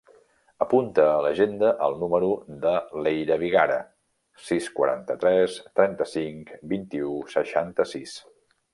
Apunta a l'agenda el número de l'Eira Vigara: sis, quaranta-tres, trenta-cinc, vint-i-u, seixanta-sis.